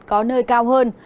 có nơi cao hơn